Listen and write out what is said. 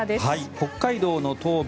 北海道の東部